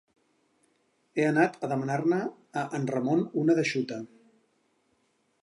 He anat a demanar-ne a en Ramon una d'eixuta